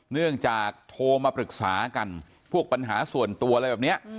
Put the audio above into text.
เนื่องจากโทรมาปรึกษากันพวกปัญหาส่วนตัวอะไรแบบนี้